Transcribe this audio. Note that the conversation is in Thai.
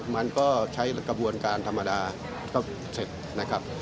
มันก็ใช้กระบวนการธรรมดาก็เสร็จนะครับ